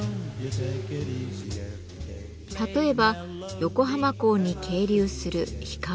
例えば横浜港に係留する氷川丸。